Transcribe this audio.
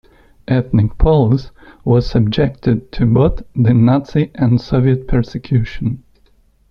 Ethnic Poles were subjected to both the Nazi and Soviet persecution.